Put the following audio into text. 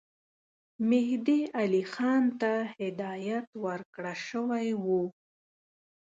مهدي علي خان ته هدایت ورکړه شوی وو.